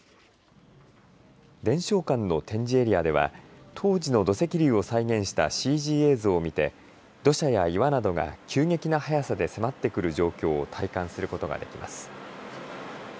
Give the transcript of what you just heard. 伝承館の展示エリアでは当時の土石流を再現したＣＧ映像を見て土砂や岩などが急激な速さで迫ってくる状況を体感することができます。